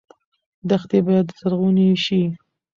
دښتې باید زرغونې شي.